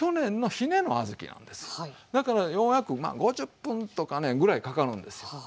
だから弱く５０分とかねぐらいかかるんですよ